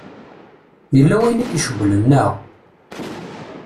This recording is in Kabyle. Yella wayen i k-icewwlen, neɣ?